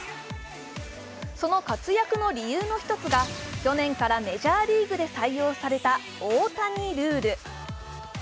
その活躍の理由の一つが去年からメジャーリーグで採用された大谷ルール。